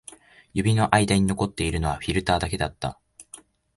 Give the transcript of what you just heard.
指の間に残っているのはフィルターだけだった